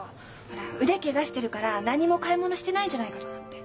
ほら腕ケガしてるから何も買い物してないんじゃないかと思って。